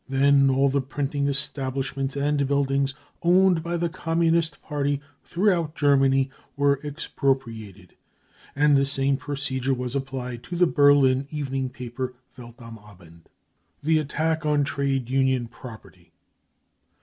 Then all the printing establishments and buildings owned by the Communist Party throughout Germany were expropriated ; and the same procedure was applied to the Berlin evening paper Welt am Abend . The Attack on Trade Union Property.